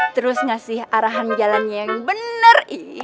terus ngasih arahan jalannya yang benar